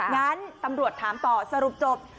งั้นตำรวจถามต่อสรุปจบ